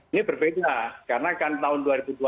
ini berbeda karena kan tahun dua ribu dua puluh